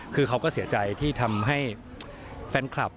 คือเขาก็เสียใจที่ทำให้แฟนคลับ